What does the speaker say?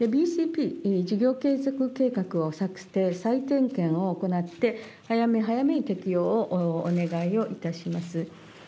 ＢＣＰ・事業継続計画を策定、再点検を行って、早め早めに適用をお願いをいたします。